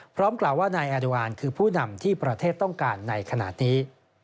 กล่าวว่านายแอดวานคือผู้นำที่ประเทศต้องการในขณะนี้